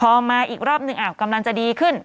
พอมาอีกรอบหนึ่งกำลังจะดีขึ้น